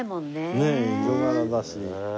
ねえ色柄だし。